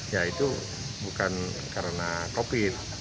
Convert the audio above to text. ya itu bukan karena covid